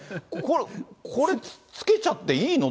これ、付けちゃっていいの？